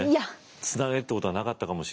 つなげるってことはなかったかもしれないし。